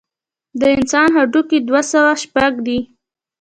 د انسان هډوکي دوه سوه شپږ دي.